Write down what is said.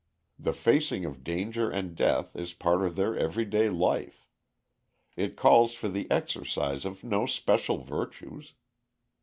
The facing of danger and death is part of their every day life. It calls for the exercise of no special virtues.